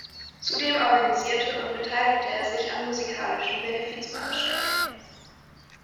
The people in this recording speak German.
Zudem organisierte und beteiligte er sich an musikalischen Benefizveranstaltungen.